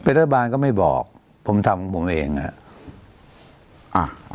ไปรัฐบาลก็ไม่บอกผมทำของผมเองอ่ะอ่า